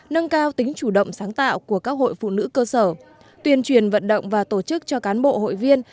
nâng cao tính chủ động sáng tạo của các hội phụ nữ cơ sở tuyên truyền vận động và tổ chức cho cán bộ hội viên